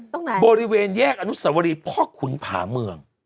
ตรงไหนบริเวณแยกอนุสวรีพ่อขุนผาเมือง